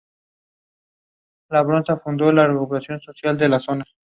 Sus rebeliones estaban fuertemente asociadas con la ideología católica contrarreformista.